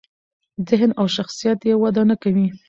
ذهن او شخصیت یې وده نکوي.